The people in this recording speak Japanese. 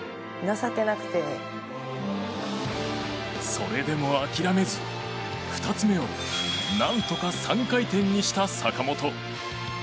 それでも諦めず、２つ目を何とか３回転にした坂本。